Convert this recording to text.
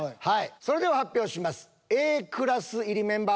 それでは発表します。